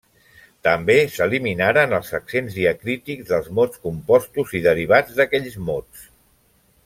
També s'eliminaren els accents diacrítics dels mots compostos i derivats d'aquells mots.